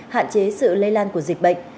hạn chế sự lây lan của dịch bệnh